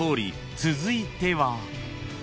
［続いては］